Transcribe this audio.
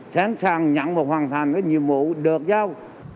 sẵn sàng nhận và hoàn thành cái nhiệm vụ được giao